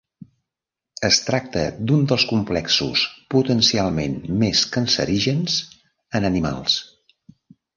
Es tracta d'un dels complexos potencialment més cancerígens en animals.